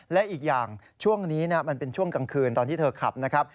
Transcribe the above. และอีกอย่างช่วงนี้มันเป็นช่วงกลางคืนตอนที่เธอขับนะครับ